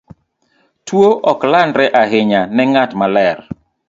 Tuwo ok landre ahinya ne ng'at maler.